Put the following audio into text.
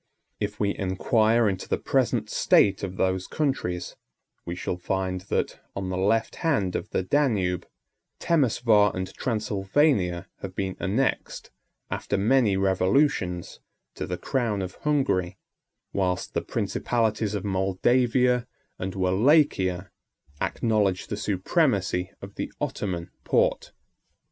If we inquire into the present state of those countries, we shall find that, on the left hand of the Danube, Temeswar and Transylvania have been annexed, after many revolutions, to the crown of Hungary; whilst the principalities of Moldavia and Wallachia acknowledge the supremacy of the Ottoman Porte.